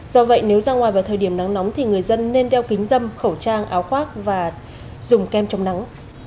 do vậy nếu ra ngoài vào thời điểm nắng nóng thì người dân nên đeo kính dâm khẩu trang áo khoác và dùng kem chống nắng